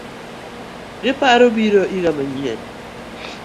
Giparo biro iga manyien